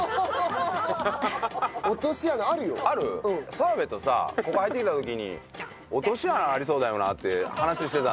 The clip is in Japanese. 澤部とさここ入ってきた時に落とし穴ありそうだよなって話してたんだよ。